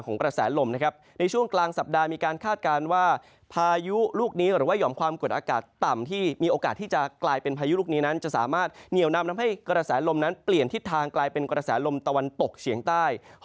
เกิดถ่ายุลูกนี้นั้นจะสามารถเหนียวนำทำให้กระแสลมนั้นเปลี่ยนทิศทางกลายเป็นกระแสลมตะวันตกเชียงใต้